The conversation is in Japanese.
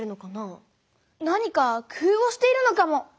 何かくふうをしているのかも。